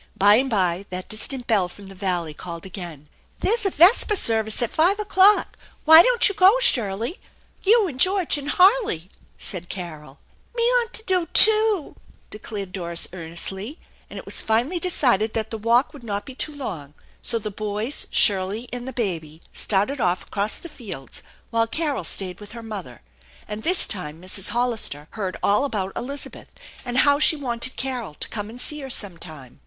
By and by that distant bell from the valley called again. " There's a vesper service at five o'clock. Why don't you go, Shirley ? You and George and Harley," said Carol. " Me 'ant do too !" declared Doris earnestly, and it was finally decided that the walk would not be too long; so the boys, Shirley and the baby started off across the fields, while Carol stayed with her mother. And this time Mrs. Hollister heard all about Elizabeth and how she wanted Carol to come and see her sometime.